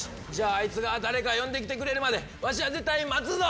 あいつが誰か呼んできてくれるまでわしは絶対に待つぞ。